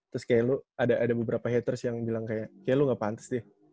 terus kayak lo ada beberapa haters yang bilang kayak lo gak pantas deh